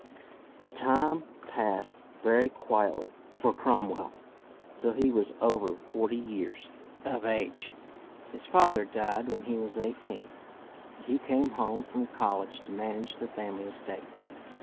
The time passed very quietly for Crom well till he was over forty years of age, His father died when he was eighteen, and he came home from college to manage the family estate.